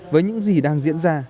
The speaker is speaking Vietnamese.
với những gì đang diễn ra